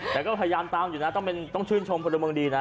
แต่ก็พยายามตามอยู่นะต้องชื่นชมพลเมืองดีนะ